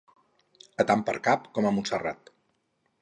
A tant per cap, com a Montserrat.